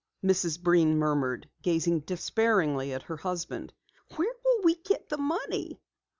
Mrs. Breen murmured, gazing despairingly at her husband. "Where will we get the money?"